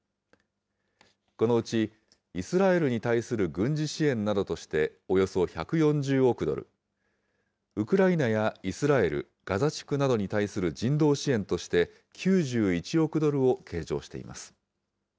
このうちイスラエルに対する軍事支援などとして、およそ１４０億ドル、ウクライナやイスラエル、ガザ地区などに対する人道支援として９１億ドルを計上しています。